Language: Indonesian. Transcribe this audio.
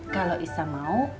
kalau isa mau